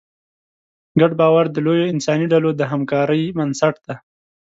ګډ باور د لویو انساني ډلو د همکارۍ بنسټ دی.